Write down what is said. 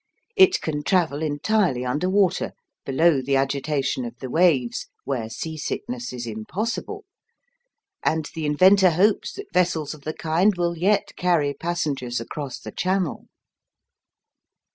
It can travel entirely under water, below the agitation of the waves, where sea sickness is impossible, and the inventor hopes that vessels of the kind will yet carry passengers across the Channel.